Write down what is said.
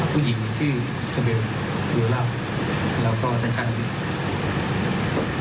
ผู้หญิงชื่ออิสเบลอิสเบลรัมแล้วก็สัญชาณภิกษ์